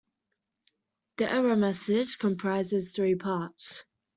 The error message comprises three parts.